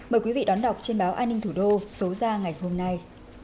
mời quý vị đón đọc trên báo an ninh thủ đô số ra ngày hôm nay